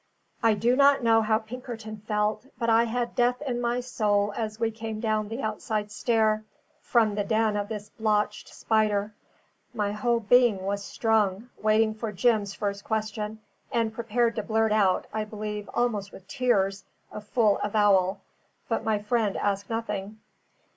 I do not know how Pinkerton felt, but I had death in my soul as we came down the outside stair, from the den of this blotched spider. My whole being was strung, waiting for Jim's first question, and prepared to blurt out, I believe, almost with tears, a full avowal. But my friend asked nothing.